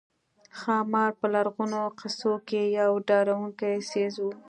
ښامار په لرغونو قصو کې یو ډارونکی څېز وو